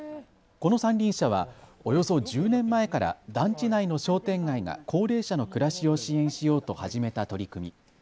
この三輪車はおよそ１０年前から団地内の商店街が高齢者の暮らしを支援しようと始めた取り組み。